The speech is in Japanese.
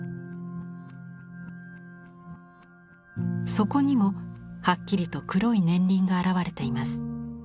そこにもはっきりと黒い年輪が現れています。